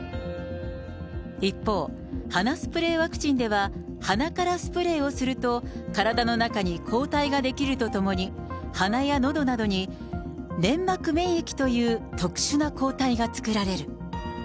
一方、鼻スプレーワクチンでは、鼻からスプレーをすると、体の中に抗体が出来るとともに、鼻やのどなどに粘膜免疫という特殊な抗体が作られる。